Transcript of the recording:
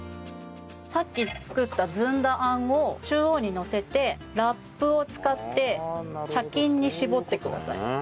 さっき作ったずんだ餡を中央にのせてラップを使って茶巾に絞ってください。